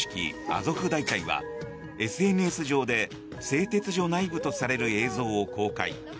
アゾフ大隊はＳＮＳ上で製鉄所内部とされる映像を公開。